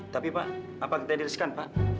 tapi pak apa kita diriliskan pak